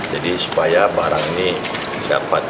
jadi supaya barang ini siap siap